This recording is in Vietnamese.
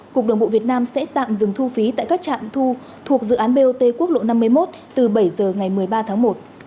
cục đường bộ việt nam sẽ tạm dừng thu phí tại các trạm thu thuộc dự án bot quốc lộ năm mươi một từ bảy giờ ngày một mươi ba tháng một